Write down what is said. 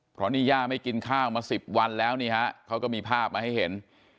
เพราะนี่ย่าไม่กินข้าวมา๑๐วันแล้วนี่ฮะเขาก็มีภาพมาให้เห็น